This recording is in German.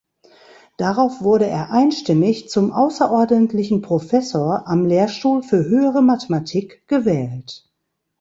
Darauf wurde er einstimmig zum Außerordentlichen Professor am Lehrstuhl für Höhere Mathematik gewählt.